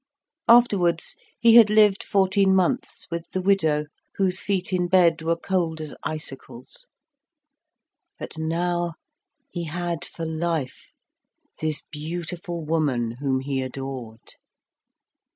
Afterwards, he had lived fourteen months with the widow, whose feet in bed were cold as icicles. But now he had for life this beautiful woman whom he adored.